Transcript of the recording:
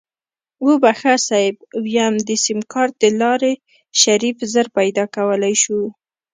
وبښه صيب ويم د سيمکارټ دلارې شريف زر پيدا کولی شو.